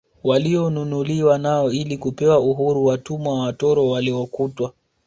Walionunuliwa nao ili kupewa uhuru watumwa watoro waliokuta